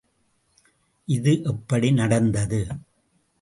இது எப்படி நடந்தது.